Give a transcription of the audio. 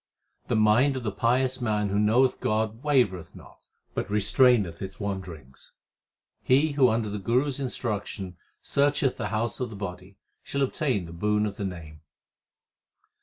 The mind of the pious man who knoweth God wavereth not, but restraineth its wanderings. He who under the Guru s instruction searcheth the house of the body, shall obtain the boon of the Name.